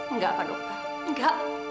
enggak pak dokter enggak